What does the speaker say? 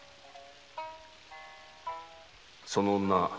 その女